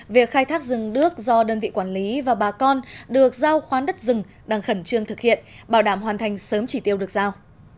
việc khai thác rừng đước do đơn vị quản lý và bà con được giao khoán đất rừng đang khẩn trương thực hiện bảo đảm hoàn thành sớm chỉ tiêu được giao